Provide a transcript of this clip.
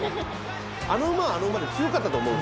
あの馬はあの馬で強かったと思うんですよ。